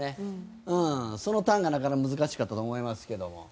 そのターンがなかなか難しかったと思いますけども。